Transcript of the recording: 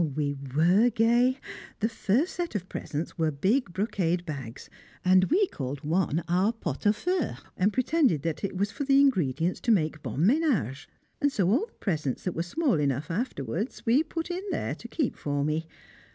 We were gay! The first set of presents were big brocade bags, and we called one our "pot au feu" and pretended it was for the ingredients to make bon ménage, and so all the presents that were small enough afterwards we put in there to keep for me.